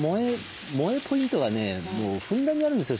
萌えポイントがねもうふんだんにあるんですよ